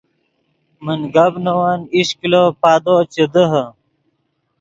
من گپ نے ون ایش کلو پادو چے دیہے